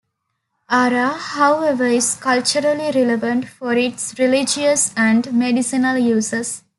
Ara, however, is culturally relevant for its religious and medicinal uses.